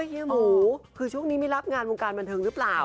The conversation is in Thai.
เฮียหมูคือช่วงนี้ไม่รับงานวงการบันเทิงหรือเปล่า